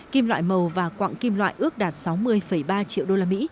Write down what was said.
kim loại màu và quạng kim loại ước đạt sáu mươi ba triệu usd